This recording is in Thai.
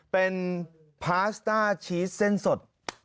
เป็นพาสต้าชีสเส้นสด